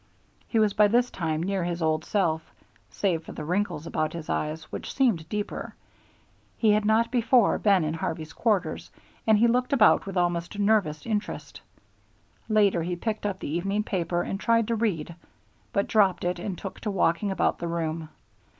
He was by this time near his old self, save for the wrinkles about his eyes, which seemed deeper. He had not before been in Harvey's quarters, and he looked about with almost nervous interest. Later he picked up the evening paper and tried to read, but dropped it and took to walking about the room.